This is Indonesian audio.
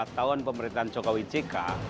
lima tahun pemerintahan jokowi jk